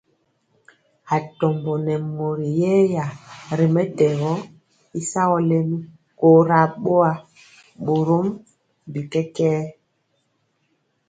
Atombo nɛ mori yɛya ri mɛtɛgɔ y sagɔ lɛmi kora boa, borom bi kɛkɛɛ.